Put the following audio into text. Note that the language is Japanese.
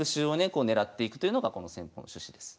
こう狙っていくというのがこの戦法の趣旨です。